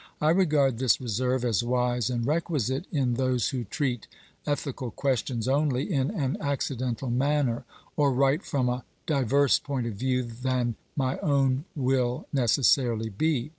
I regard this reserve as wise and requisite in those who treat ethical questions only in an accidental manner, or write from a diverse point of view than my own will necessarily be.